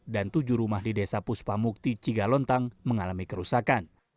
dan tujuh rumah di desa puspamukti cigalontang mengalami kerusakan